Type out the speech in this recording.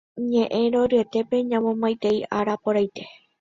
Ñe'ẽ roryetépe ñamomaitei ára porãite.